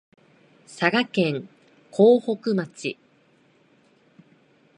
佐賀県江北町